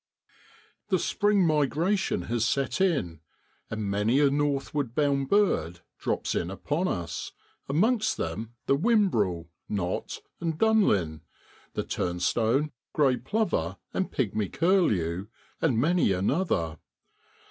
The spring migration has set in, and many a northward bound bird drops in upon us, amongst them the whimbrel, knot, and dunlin, the turnstone, grey plover, and pigmy curlew, and many another.